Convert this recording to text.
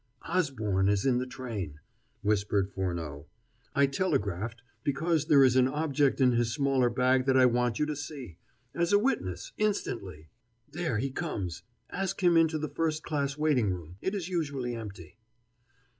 "Osborne is in the train," whispered Furneaux. "I telegraphed because there is an object in his smaller bag that I want you to see as a witness, instantly. There he comes; ask him into the first class waiting room. It is usually empty."